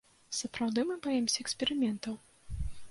Сапраўды мы баімся эксперыментаў?